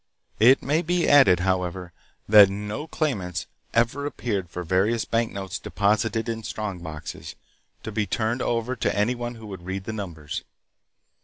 It may be added, however, that no claimants ever appeared for various banknotes deposited in strong boxes, to be turned over to any one who would read the numbers.